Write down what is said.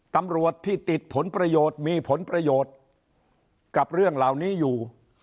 ตำรวจที่ติดผลประโยชน์มีผลประโยชน์กับเรื่องเหล่านี้อยู่